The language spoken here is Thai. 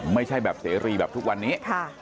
ไม่ใช่แบบเสรีแบบทุกวันนี้